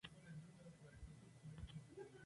En Australia y Nueva Zelanda saldría un día más tarde.